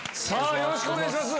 よろしくお願いします。